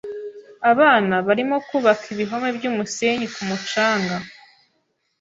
Abana barimo kubaka ibihome byumusenyi ku mucanga.